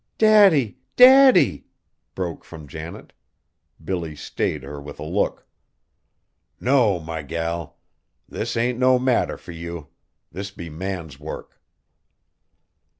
"Daddy! Daddy!" broke from Janet. Billy stayed her with a look. "No, my gal. This ain't no matter fur ye! This be man's work!"